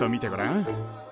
ん？